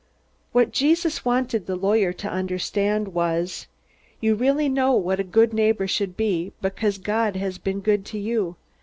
What Jesus wanted the lawyer to understand was: "You really know what a good neighbor should be, because God has been good to you.